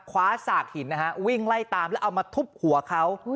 ขวาหสาขทินวิ่งไล่ตามแล้วเอามาทุบหัวเขา